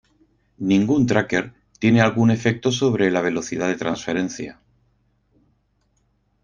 Ningún tracker tiene algún efecto sobre la velocidad de transferencia.